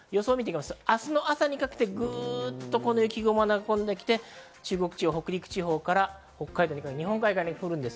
明日の朝にかけて行くと雪雲が流れ込んできて、中国地方、北陸地方から北海道にかけて、日本海側にくるんです。